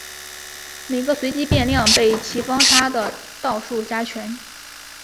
每个随机变量被其方差的倒数加权。